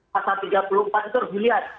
pasal tiga puluh empat itu harus dilihat